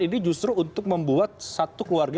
ini justru untuk membuat satu keluarga